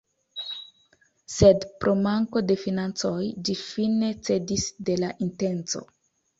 Sed pro manko de financoj ĝi fine cedis de la intenco.